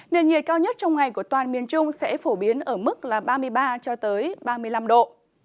nền nhiệt cao nhất trong ngày của toàn miền trung sẽ phổ biến ở mức ba mươi ba ba mươi năm độ